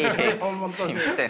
すみません。